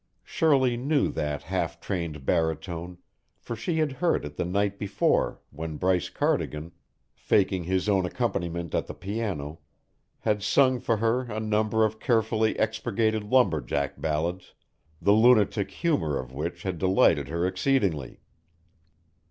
Shirley knew that half trained baritone, for she had heard it the night before when Bryce Cardigan, faking his own accompaniment at the piano, had sung for her a number of carefully expurgated lumberjack ballads, the lunatic humour of which had delighted her exceedingly.